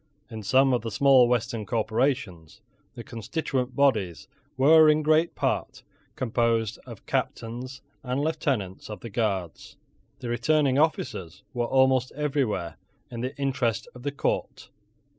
In some of the small western corporations, the constituent bodies were in great part composed of Captains and Lieutenants of the Guards. The returning officers were almost everywhere in the interest of the court.